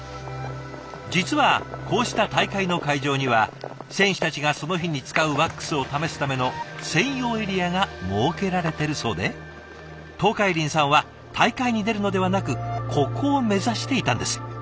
実はこうした大会の会場には選手たちがその日に使うワックスを試すための専用エリアが設けられてるそうで東海林さんは大会に出るのではなくここを目指していたんです。